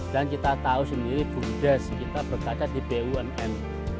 dan kita tahu sendiri bumdes kita berada di bumn